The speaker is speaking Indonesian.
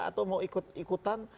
atau mau ikutan